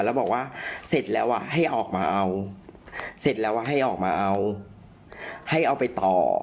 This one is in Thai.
แล้วบอกว่าเสร็จแล้วอ่ะให้ออกมาเอาเสร็จแล้วให้ออกมาเอาให้เอาไปต่อ